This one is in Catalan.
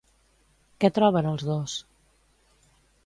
Què troben els dos?